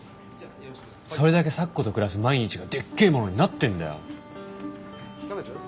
それだけ咲子と暮らす毎日がでっけぇものになってんだよ。